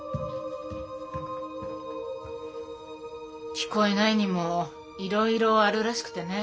聞こえないにもいろいろあるらしくてね。